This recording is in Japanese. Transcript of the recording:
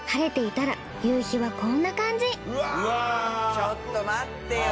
ちょっと待ってよ。